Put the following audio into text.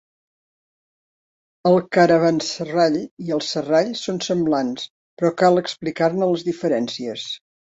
El caravanserrall i el serrall són semblants, però cal explicar-ne les diferències.